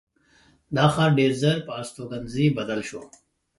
دا ښار ډېر ژر پر استوګنځي بدل شو.